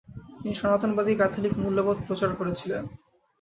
তিনি সনাতনবাদী ক্যাথলিক মূল্যবোধ প্রচার করেছিলেন।